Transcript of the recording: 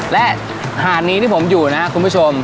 และหารณ์นี้ที่ผมอยู่น่ะส์คุณผู้ชม